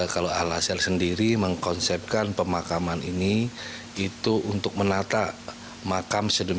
kalau al asel sendiri mengkonsepkan pemakaman ini itu untuk menata makam sedemiki